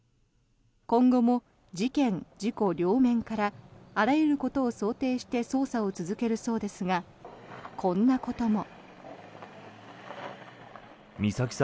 今後も事件・事故両面からあらゆることを想定して捜査を続けるそうですがこんなことも。